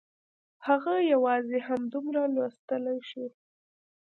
هغه یوازې همدومره لوستلی شو